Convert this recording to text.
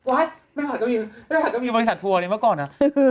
ว๊าตแม่ผ่านกำมือบริษัททัวร์นี้เมื่อก่อนนะ